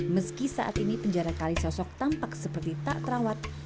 meski saat ini penjara kalisosok tampak seperti tak terawat